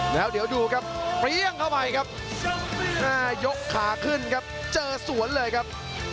แล้วเดี๋ยวดูครับเปรี้ยงเข้าไปครับยกขาขึ้นครับเจอสวนเลยครับ